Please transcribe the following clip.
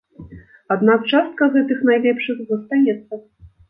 Аднак частка гэтых найлепшых застаецца.